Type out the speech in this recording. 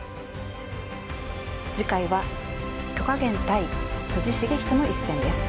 次回は許家元対篤仁の一戦です。